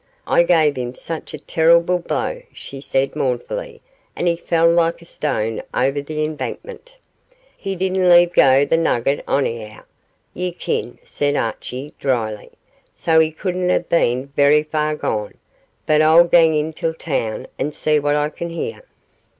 'I gave him such a terrible blow,' she said, mournfully, 'and he fell like a stone over the embankment.' 'He didna leave go the nugget, onyhow, ye ken,' said Archie, dryly; 'so he couldna hae been verra far gone, but I'll gang intil the toun and see what I can hear.